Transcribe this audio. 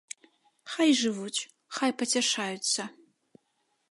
Хай жывуць, хай пацяшаюцца.